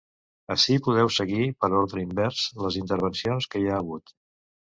Ací podeu seguir, per ordre invers, les intervencions que hi ha hagut.